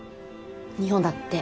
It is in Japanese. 日本だって。